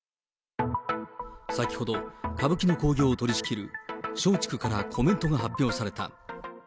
先ほど、歌舞伎の興行を取り仕切る松竹からコメントが発表された。